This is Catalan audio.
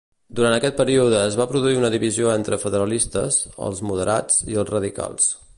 Durant aquest període es va produir una divisió entre federalistes, els moderats i els radicals.